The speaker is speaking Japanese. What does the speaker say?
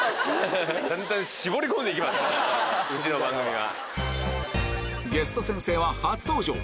うちの番組は。